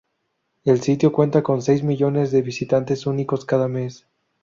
El sitio cuenta con seis millones de visitantes únicos cada mes.